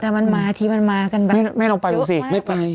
แล้วมาที่มันมากันบ้างไม่ลงไปดูสิ